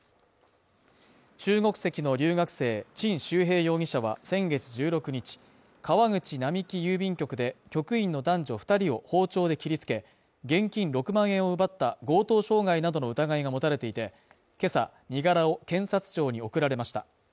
中国籍の留学生陳秀平容疑者は先月１６日川口並木郵便局で局員の男女２人を包丁で切り付け、現金６万円を奪った強盗傷害などの疑いが持たれていて、今朝身柄を検察庁に送られました。